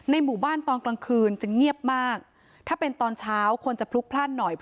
หมู่บ้านตอนกลางคืนจะเงียบมากถ้าเป็นตอนเช้าคนจะพลุกพลั่นหน่อย